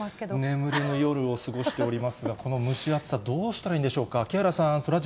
眠れぬ夜を過ごしておりますが、この蒸し暑さ、どうしたらいいんでしょうか。